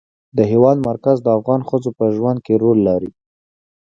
د هېواد مرکز د افغان ښځو په ژوند کې رول لري.